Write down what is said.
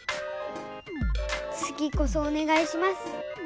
つぎこそおねがいします！